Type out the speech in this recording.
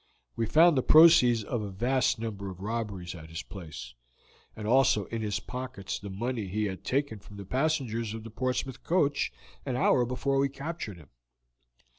"We found the proceeds of a vast number of robberies at his place, and also in his pockets the money he had taken from the passengers of the Portsmouth coach an hour before we captured him.